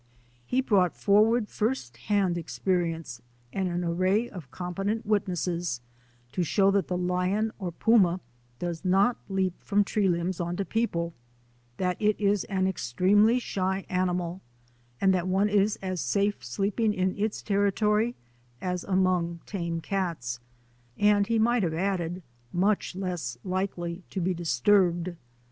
He brought forward first hand experience and an array of competent witnesses to show that the lion or puma does not leap from tree limbs onto people, that it is an extremely shy animal, and that one 22o THE ADVENTURES OF A NATURE GUIDE is as safe sleeping in its territory as among tame cats; and, he might have added, much less likely to be disturbed.